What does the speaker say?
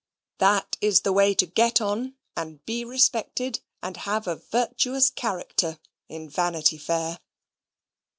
That is the way to get on, and be respected, and have a virtuous character in Vanity Fair.